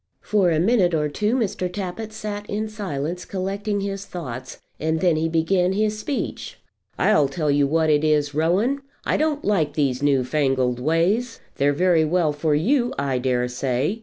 For a minute or two Mr. Tappitt sat in silence collecting his thoughts, and then he began his speech. "I'll tell you what it is, Rowan, I don't like these new fangled ways. They're very well for you, I dare say.